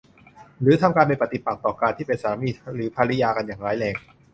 หรือทำการเป็นปฏิปักษ์ต่อการที่เป็นสามีหรือภริยากันอย่างร้ายแรง